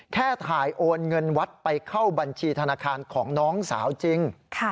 แค่ถ่ายโอนเงินวัดไปเข้าบัญชีธนาคารของน้องสาวจริง